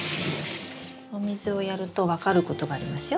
お水をやると分かることがありますよ。